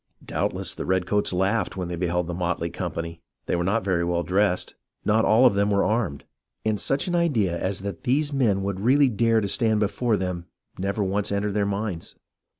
Doubtless the redcoats laughed when they beheld the motley company. They were not very well dressed, not all of them were armed, and such an idea as that these men would really dare to stand before them never once entered their minds.